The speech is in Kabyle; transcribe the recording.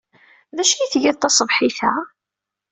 D acu ay tgiḍ taṣebḥit-a?